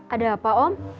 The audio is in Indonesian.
ada apa om